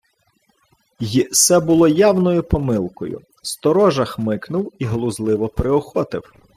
Й се було явною помилкою. Сторожа хмикнув і глузливо приохотив: